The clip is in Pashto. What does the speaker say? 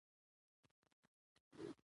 بې لاري او منحرف شخص